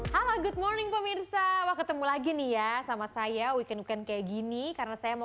halo good morning pemirsa ketemu lagi nih ya sama saya weekend weekend kayak gini karena saya mau